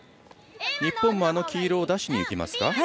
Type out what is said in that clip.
日本もあの黄色を出しにいきますか？